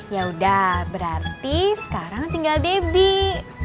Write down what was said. ya udah berarti sekarang tinggal debbie